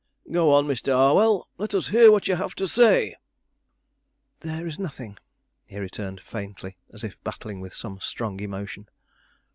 "Go on, Mr. Harwell, let us hear what you have to say." "There is nothing," he returned faintly, as if battling with some strong emotion.